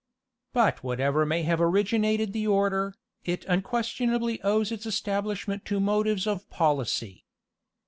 But whatever may have originated the Order, it unquestionably owes its establishment to motives of policy.